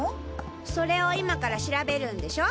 それを今から調べるんでしょ？